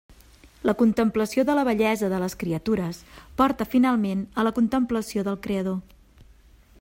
La contemplació de la bellesa de les criatures porta finalment a la contemplació del creador.